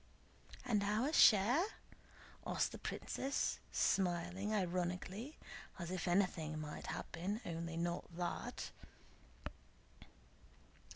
"And our share?" asked the princess smiling ironically, as if anything might happen, only not that.